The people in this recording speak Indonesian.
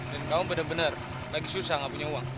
dan kamu bener bener lagi susah gak punya uang